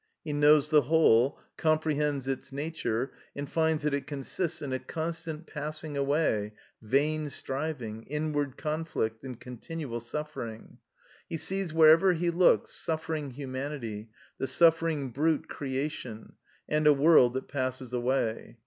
He knows the whole, comprehends its nature, and finds that it consists in a constant passing away, vain striving, inward conflict, and continual suffering. He sees wherever he looks suffering humanity, the suffering brute creation, and a world that passes away.